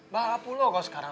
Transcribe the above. bahala pulau kau sekarang